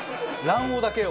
卵黄だけ？